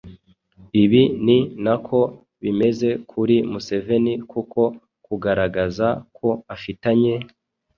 Ibi ni nako bimeze kuri Museveni kuko kugaragaza ko afitanye